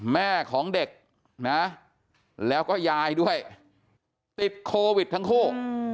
แม่ของเด็กนะแล้วก็ยายด้วยติดโควิดทั้งคู่